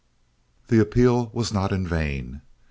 The appeal was not in vain.